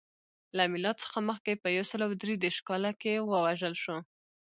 له میلاد څخه مخکې په یو سل درې دېرش کال کې ووژل شو.